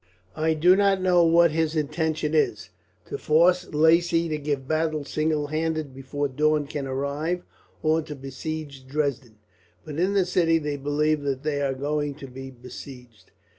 I do not know what his intention is to force Lacy to give battle single handed before Daun can arrive, or to besiege Dresden but in the city they believe that they are going to be besieged."